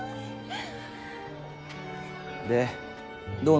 でどうなの？